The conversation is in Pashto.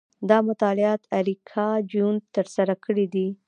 دا مطالعات اریکا چینوت ترسره کړي دي.